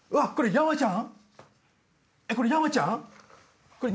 山ちゃん